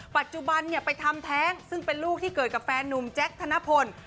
ปัจจุบันไปทำแท้งซึ่งเป็นลูกที่เกิดกับแฟนนุ่มแจ๊คธนพล